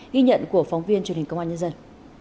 ghi nhận của phóng viên truyền hình công an nhân dân